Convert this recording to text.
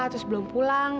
terus belum pulang